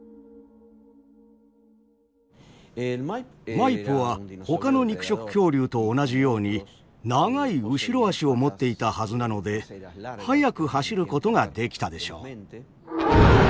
マイプはほかの肉食恐竜と同じように長い後ろあしを持っていたはずなので速く走ることができたでしょう。